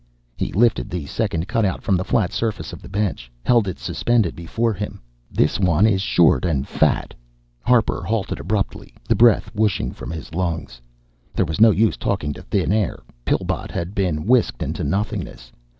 He lifted the second cutout from the flat surface of the bench, held it suspended before him. "This one is short and fat " Harper halted abruptly, the breath whooshing from his lungs. There was no use talking to thin air. Pillbot had been whisked into nothingness.